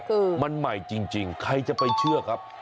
คือมันใหม่จริงใครจะไปเชื่อครับ